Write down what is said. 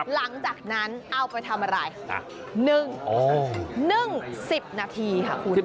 หลังจากนั้นเอาไปทำอะไร๑๐นาทีค่ะคุณ